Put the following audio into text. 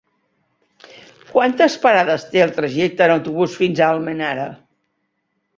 Quantes parades té el trajecte en autobús fins a Almenara?